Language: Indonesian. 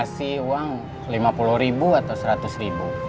kasih uang lima puluh ribu atau seratus ribu